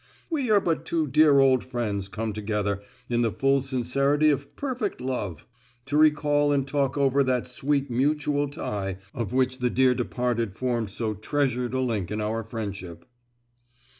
We are but two dear old friends come together in the full sincerity of perfect love, to recall and talk over that sweet mutual tie of which the dear departed formed so treasured a link in our friendship."